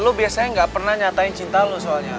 lu biasanya gak pernah nyatain cinta lo soalnya